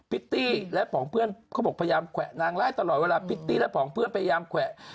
ิตตี้และผองเพื่อนเขาบอกพยายามแขวะนางไล่ตลอดเวลาพิตตี้และผองเพื่อนพยายามแขวะ